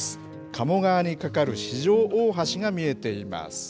鴨川に架かる四条大橋が見えています。